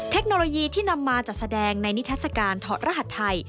เทคโนโลยีที่นำมาจัดแสดงในนิทัศกาลถอดรหัสไทย